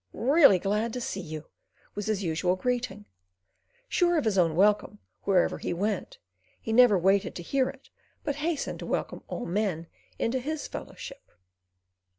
Real glad to see you!" was his usual greeting. Sure of his own welcome wherever he went, he never waited to hear it, but hastened to welcome all men into his fellowship.